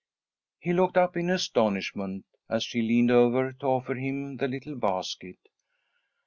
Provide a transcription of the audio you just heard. He looked up in astonishment as she leaned over to offer him the little basket.